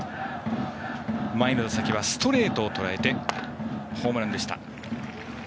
前の打席はストレートを捉えてホームランでした、野村。